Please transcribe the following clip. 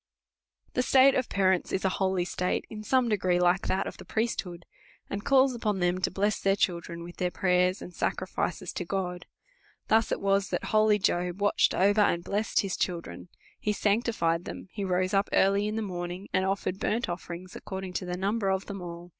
The state of parents is a holy state, in some degree like that of the priesthood, and calls upon them to bless their children with their prayers and sacrifices to God. Thus it was that holy Job watched over, and blessed his children ; he aanctijicd them ; he rose lip earhj in the morning, and offered burnt ojl'ering s, according to the numl)er of them all.